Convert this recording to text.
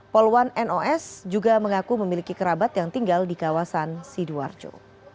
poluan nos juga mengaku memiliki kerabat yang tinggal di kawasan sidoarjo